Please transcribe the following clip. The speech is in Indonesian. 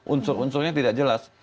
unsur unsurnya tidak jelas